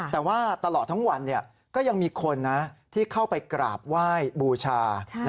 แต่ว่าตลอดทั้งวันก็ยังมีคนที่เข้าไปกราบไหว้บูชา